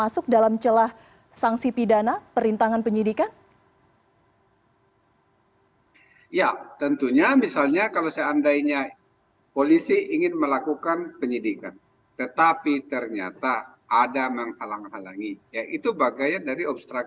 selamat sore mbak